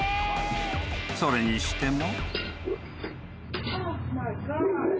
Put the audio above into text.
［それにしても］